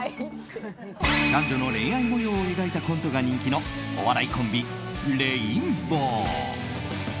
男女の恋愛模様を描いたコントが人気のお笑いコンビ、レインボー。